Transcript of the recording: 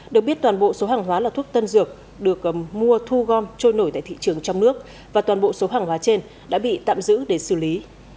được biết toàn bộ số hàng hóa là thuốc tân dược được mua thu gom trôi nổi tại thị trường trong nước và toàn bộ số hàng hóa trên đã bị tạm giữ để xử lý